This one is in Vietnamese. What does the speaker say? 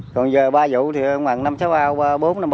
còn giờ ba vụ thì mằng năm sáu bao bốn năm bao à